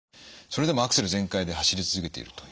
それでもアクセル全開で走り続けていると。